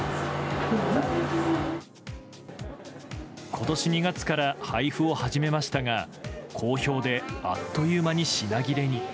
今年２月から配布を始めましたが好評で、あっという間に品切れに。